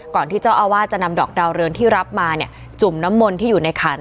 ที่เจ้าอาวาสจะนำดอกดาวเรืองที่รับมาเนี่ยจุ่มน้ำมนต์ที่อยู่ในขัน